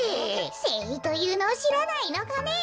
せいいというのをしらないのかねえ。